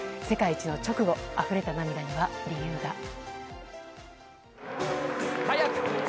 世界一の直後あふれた涙には理由が。